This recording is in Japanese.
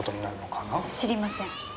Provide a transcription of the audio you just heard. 知りません。